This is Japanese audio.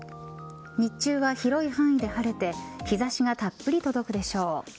日中は広い範囲で晴れて日差しがたっぷり届くでしょう。